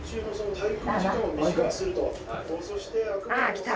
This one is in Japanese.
ああ来た。